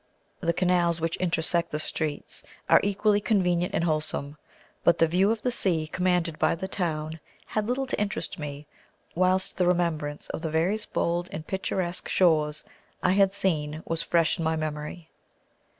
The canals which intersect the streets are equally convenient and wholesome; but the view of the sea commanded by the town had little to interest me whilst the remembrance of the various bold and picturesque shores I had seen was fresh in my memory.